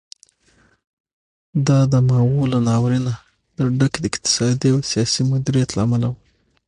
دا د ماوو له ناورینه د ډک اقتصادي او سیاسي مدیریت له امله و.